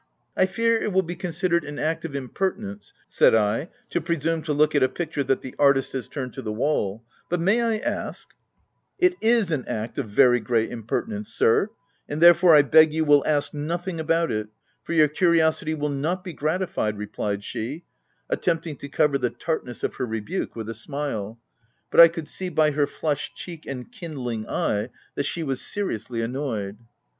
" I fear it will be considered an act of imper OF WILDFELL HALL. 91 tinence," said I, " to presume to look at a picture that the artist has turned to the wall ; but may I ask'* —" It is an act of very great impertinence, sir ; and therefore, I beg you will ask nothing about it, for your curiosity will not be gratified/' replied she, attempting to cover the tartness of her rebuke with a smile ;— but I could see, by her flushed cheek and kindling eye, that she was seriously annoyed.